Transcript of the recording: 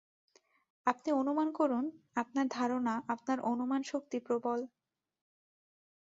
আপনি অনুমান করুন, আপনার ধারণা, আপনার অনুমানশক্তি প্রবল।